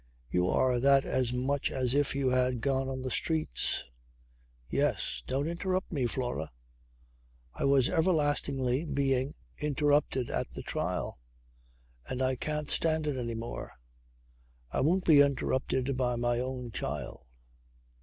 You are that as much as if you had gone on the streets. Yes. Don't interrupt me, Flora. I was everlastingly being interrupted at the trial and I can't stand it any more. I won't be interrupted by my own child.